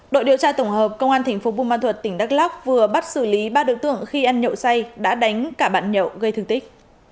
đội điều tra tổng hợp công an thành phố buôn ma thuật tỉnh đắk lóc vừa bắt xử lý ba đối tượng khi ăn nhậu say đã đánh cả bạn nhậu gây thương tích